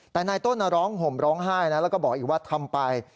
แต่นายต้นร้องห่มร้องไห้นะแล้วก็บอกอีกว่าทำไป